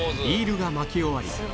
リールが巻き終わり